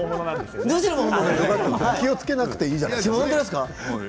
気をつけなくていいじゃないですか。